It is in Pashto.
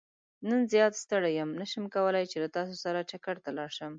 نن زيات ستړى يم نه شم کولاي چې له تاسو سره چکرته لاړ شم.